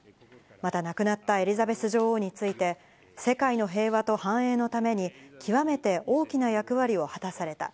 また亡くなったエリザベス女王について、世界の平和と繁栄のために極めて大きな役割を果たされた。